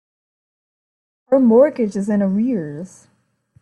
Our mortgage is in arrears.